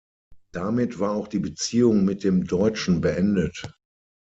Damit war auch die Beziehung mit dem Deutschen beendet.